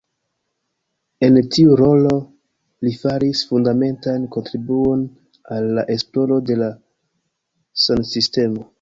En tiu rolo li faris fundamentan kontribuon al la esploro de la sunsistemo.